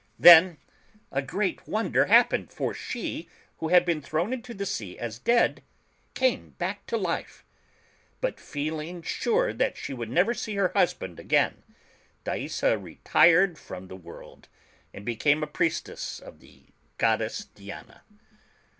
65 Then a great wonder happened, for she, who had been thrown into the sea as dead, came back to Hfe. But feehng sure that she would never see her husband again. Thaisa retired from the world, and be came a priestess of the goddess Diana.